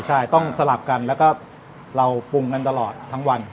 ใช่ต้องสลับกันแล้วก็เราปรุงกันตลอดทั้งวัน